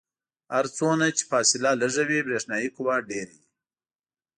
هر څومره چې فاصله لږه وي برېښنايي قوه ډیره وي.